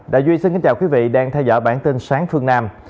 đại duy xin kính chào quý vị đang theo dõi bản tin sáng phương nam